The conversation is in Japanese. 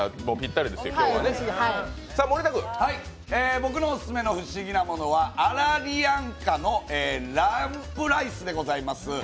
僕のオススメの不思議なものはＡＲＡＬＩＹＡＬＡＮＫＡのランプライスでございます。